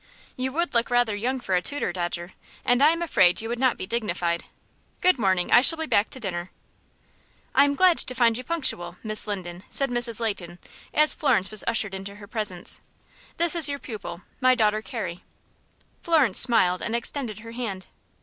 "You would look rather young for a tutor, Dodger, and I am afraid you would not be dignified. Good morning! I shall be back to dinner." "I am glad to find you punctual, Miss Linden," said Mrs. Leighton, as Florence was ushered into her presence. "This is your pupil, my daughter, Carrie." Florence smiled and extended her hand.